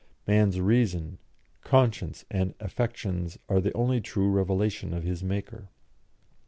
Man's reason, conscience, and affections are the only true revelation of his Maker."